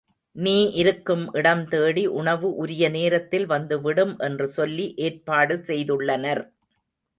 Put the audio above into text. நீ இருக்கும் இடம் தேடி உணவு உரிய நேரத்தில் வந்து விடும் என்று சொல்லி ஏற்பாடு செய்துள்ளனர்.